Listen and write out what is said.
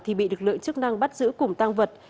thì bị lực lượng chức năng bắt giữ cùng tăng vật